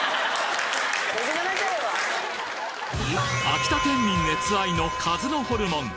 秋田県民熱愛の鹿角ホルモン